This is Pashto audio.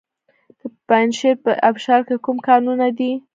د پنجشیر په ابشار کې کوم کانونه دي؟